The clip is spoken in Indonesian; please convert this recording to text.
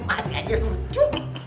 masih aja lucu